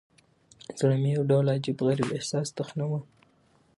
زړه مې يو ډول عجيب، غريب احساس تخنوه.